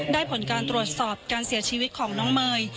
ผลการตรวจสอบการเสียชีวิตของน้องเมย์